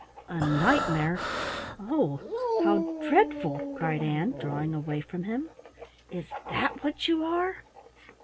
"A Knight mare Oh, how dreadful!" cried Ann, drawing away from him. "Is that what you are?"